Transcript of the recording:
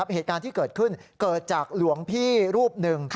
เหตุการณ์ที่เกิดขึ้นเกิดจากหลวงพี่รูปหนึ่ง